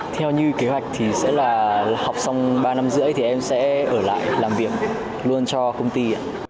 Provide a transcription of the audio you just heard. theo như kế hoạch thì sẽ là học xong ba năm rưỡi thì em sẽ ở lại làm việc luôn cho công ty ạ